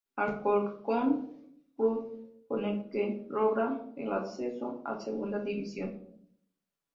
Alcorcón, club con el que logra el ascenso a Segunda división.